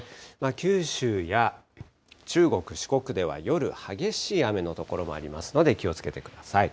九州や中国、四国では夜、激しい雨の所もありますので気をつけてください。